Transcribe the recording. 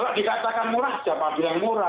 kalau dikatakan murah siapa bilang murah